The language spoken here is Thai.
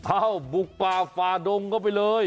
อ้าวบุกป่าฝาดงเข้าไปเลย